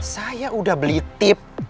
saya udah belitip